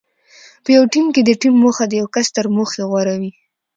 په یو ټیم کې د ټیم موخه د یو کس تر موخې غوره وي.